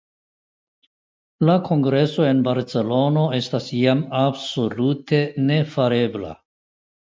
La kongreso en Barcelono estas jam absolute nefarebla.